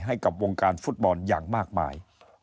ให้กับวงการฟุตบอลอย่างมากมาย